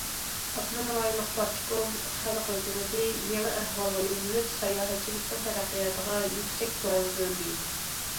ئاپتونوم رايونلۇق پارتكوم، خەلق ھۆكۈمىتى يېڭى ئەھۋالغا يۈزلىنىپ، ساياھەتچىلىكنىڭ تەرەققىياتىغا يۈكسەك كۆڭۈل بۆلدى.